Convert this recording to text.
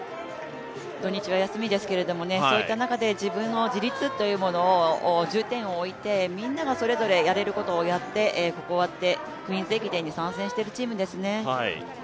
土日は休みですけどもそういった中で自分の自立というものを重点を置いてみんながそれぞれやれることをやって、こうやってクイーンズ駅伝に参戦しているチームですね。